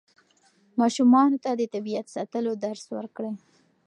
ماشومانو ته د طبیعت ساتلو درس ورکړئ.